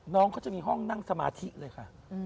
น้องเขาจะมีห้องนั่งสมาธิเลยค่ะ